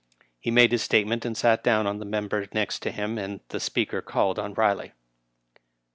He made his state ment, and sat down on the member next to him, and the Speaker called on Biley.